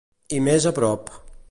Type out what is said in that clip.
I més a prop?